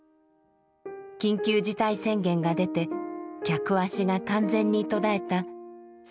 緊急事態宣言が出て客足が完全に途絶えた寂しい春でした。